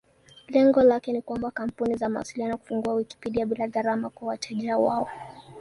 Lengo lake ni kuomba kampuni za mawasiliano kufungua Wikipedia bila gharama kwa wateja wao.